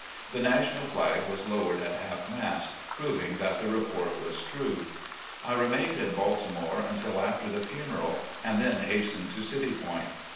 The national flag was lowered at half mast, proving that the report was true. I remained in Baltimore until after the funeral and then hastened to City Point.